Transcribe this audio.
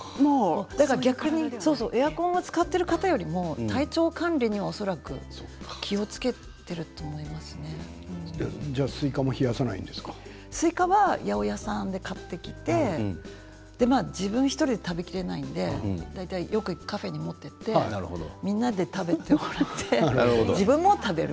逆にエアコンを使ってる方より体調管理には、恐らくじゃあスイカも八百屋さんで買ってきて、自分１人で食べきれないので大体よく行くカフェに持って行って、みんなで食べてもらって自分も食べる。